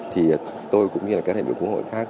thì tôi cũng như là các đại biểu quốc hội khác